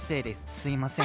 すいません！